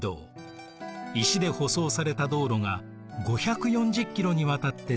石で舗装された道路が５４０キロにわたって続いています。